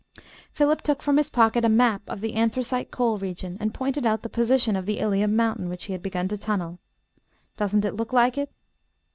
Philip took from his pocket a map of the anthracite coal region, and pointed out the position of the Ilium mountain which he had begun to tunnel. "Doesn't it look like it?"